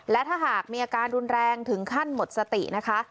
และถ้าหากมีอาการรุนแรงถึงขั้นหมดสตินะคะ